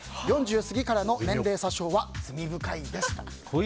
４０過ぎからの年齢詐称は罪深いですと。